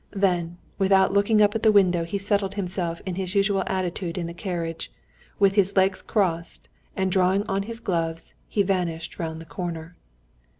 Then without looking up at the window he settled himself in his usual attitude in the carriage, with his legs crossed, and drawing on his gloves he vanished round the corner.